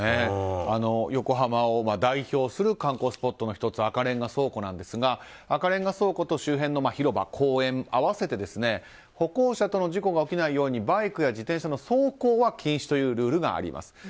横浜を代表する観光スポットの１つ赤レンガ倉庫なんですが赤レンガ倉庫と周辺の広場、公園合わせて歩行者との事故が起きないようにバイクや自転車の走行は禁止というルールがあります。